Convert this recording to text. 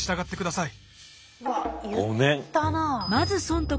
うわっ言ったな。